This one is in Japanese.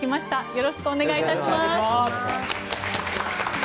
よろしくお願いします。